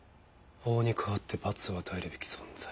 「法に代わって罰を与えるべき存在」。